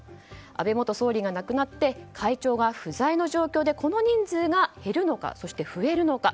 安倍元総理が亡くなって会長が不在の状態でこの人数が減るのか、増えるのか。